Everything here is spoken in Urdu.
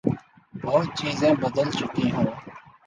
بہت چیزیں بدل چکی ہوں۔